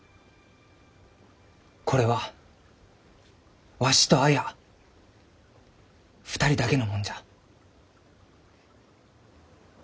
これはわしと綾２人だけのもんじゃ。